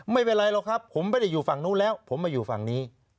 ไม่เป็นไรหรอกครับผมไม่ได้อยู่ฝั่งนู้นแล้วผมมาอยู่ฝั่งนี้